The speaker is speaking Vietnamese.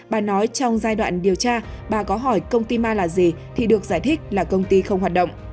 bà nói trong giai đoạn điều tra bà có hỏi công ty ma là gì thì được giải thích là công ty không hoạt động